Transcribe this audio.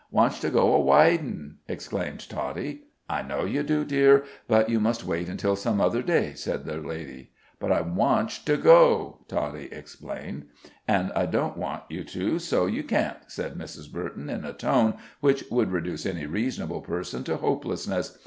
"Wantsh to go a widin'!" exclaimed Toddie. "I know you do, dear, but you must wait until some other day," said the lady. "But I wantsh to go," Toddie explained. "And I don't want you to, so you can't," said Mrs. Burton, in a tone which would reduce any reasonable person to hopelessness.